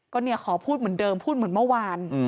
ก็เนี่ยขอพูดเหมือนเดิมพูดเหมือนเมื่อวาน